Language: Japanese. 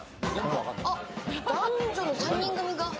男女の３人組が。